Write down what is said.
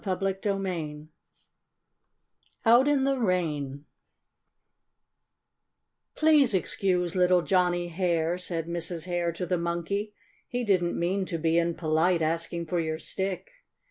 CHAPTER VII OUT IN THE RAIN "Please excuse little Johnnie Hare," said Mrs. Hare to the Monkey. "He didn't mean to be impolite, asking for your stick."